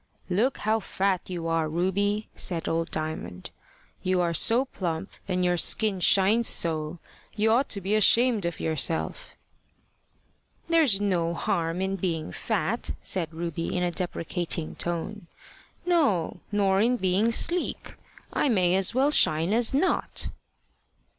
"Look how fat you are Ruby!" said old Diamond. "You are so plump and your skin shines so, you ought to be ashamed of yourself." "There's no harm in being fat," said Ruby in a deprecating tone. "No, nor in being sleek. I may as well shine as not."